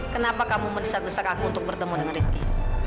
kenapa kamu merisau risau aku untuk bertemu dengan rizky